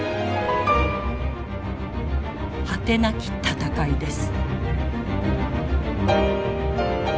果てなき闘いです。